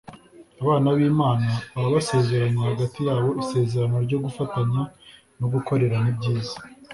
abana b'Imana baba basezeranye hagati yabo isezerano ryo gufatanya no gukorerana ibyiza.